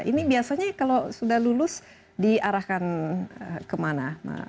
ini biasanya kalau sudah lulus diarahkan kemana